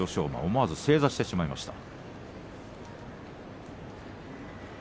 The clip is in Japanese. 思わず正座をしてしまいました。